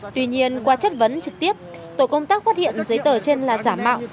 tuy nhiên qua chất vấn trực tiếp tổ công tác phát hiện giấy tờ trên là giả mạo